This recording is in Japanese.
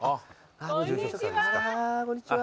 こんにちは。